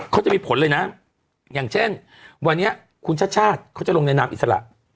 เขาจะมีผลเลยนะอย่างเช่นวันนี้คุณชาติชาติเขาจะลงในนามอิสระ